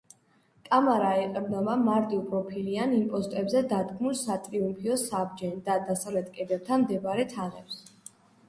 კამარა ეყრდნობა მარტივპროფილიან იმპოსტებზე დადგმულ სატრიუმფო საბჯენ და დასავლეთის კედელთან მდებარე თაღებს.